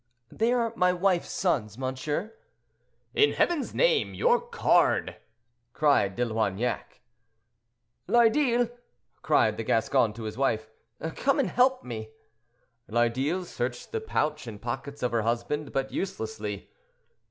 "They are my wife's sons, monsieur." "In Heaven's name, your card!" cried De Loignac. "Lardille!" cried the Gascon to his wife, "come and help me." Lardille searched the pouch and pockets of her husband, but uselessly.